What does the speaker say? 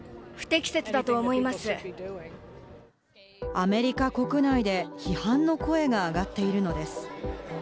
アメリカ国内で批判の声が上がっているのです。